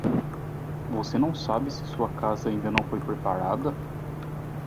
Você não sabe se sua casa ainda não foi preparada?